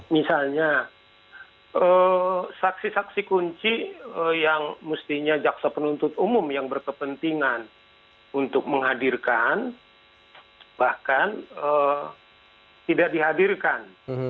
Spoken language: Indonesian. misalnya saksi saksi kunci yang mestinya jaksa penuntut umum yang berkepentingan untuk menghadirkan bahkan tidak dihadirkan